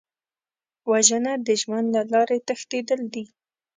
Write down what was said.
وژنه د ژوند له لارې تښتېدل دي